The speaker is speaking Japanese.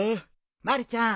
まるちゃん